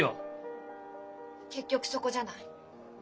結局そこじゃない。